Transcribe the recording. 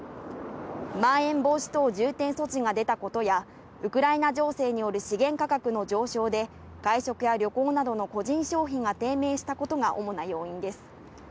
まん延防止等重点措置が出たことや、ウクライナ情勢による資源価格の上昇で、外食や旅行などの個人消費が低迷したことが主な要因です。